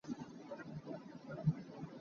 Tlang kan kai ahkhan ziah na rat ve lo?